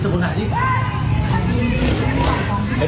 ไทย